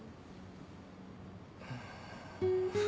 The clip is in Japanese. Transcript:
うん。